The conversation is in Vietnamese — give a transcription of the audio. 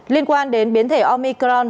liên quan đến biến thể omicron